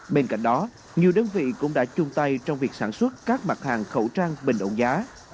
bên cạnh đó nhiều đơn vị cũng đã chung tay trong việc sản xuất các mặt hàng khẩu trang bình ổn giá